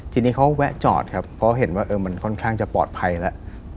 ทีนี้เขาแวะจอดครับเพราะเห็นว่ามันค่อนข้างจะปลอดภัยแล้ว